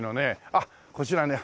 あっこちらに。